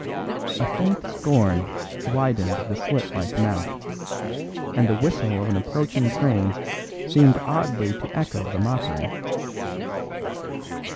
A faint scorn widened the slit like mouth, and the whistle of an approaching train seemed oddly to echo the mockery.